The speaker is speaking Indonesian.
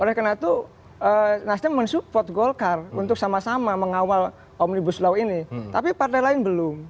oleh karena itu nasdem mensupport golkar untuk sama sama mengawal omnibus law ini tapi partai lain belum